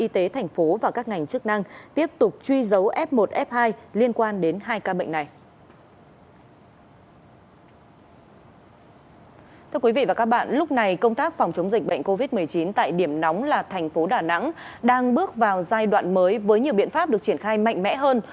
thưa quý vị và các bạn lúc này công tác phòng chống dịch bệnh covid một mươi chín tại điểm nóng là thành phố đà nẵng đang bước vào giai đoạn mới với nhiều biện pháp được triển khai mạnh mẽ hơn